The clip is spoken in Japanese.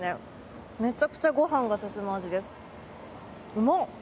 うまっ！